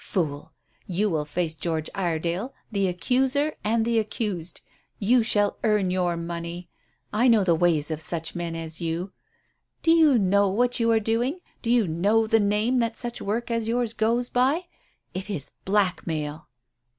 Fool! You will face George Iredale, the accuser and the accused. You shall earn your money. I know the ways of such men as you. Do you know what you are doing? Do you know the name that such work as yours goes by? It is blackmail!"